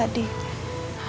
aku nanya kak dan rena